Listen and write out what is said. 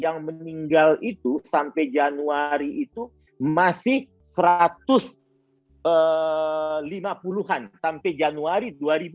yang meninggal itu sampai januari itu masih seratus lima puluhan sampai januari dua ribu dua puluh satu